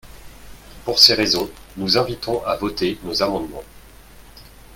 Pour ces raisons, nous invitons à voter nos amendements.